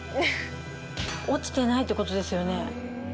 落ちてないってことですよね。